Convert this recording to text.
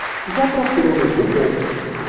Já procurou no Google?